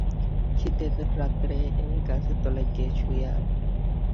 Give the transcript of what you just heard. শীতের রাত্রে এই গাছের তলায় কে শুইয়া?